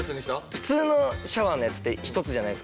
普通のシャワーのやつって１つじゃないですか。